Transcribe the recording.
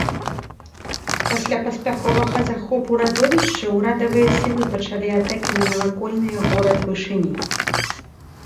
Пасля паспяховага захопу радовішча ўрадавыя сілы пачалі атакі на навакольныя горад вышыні.